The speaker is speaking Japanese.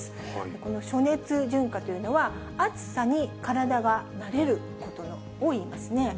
この暑熱順化というのは、暑さに体が慣れることを言いますね。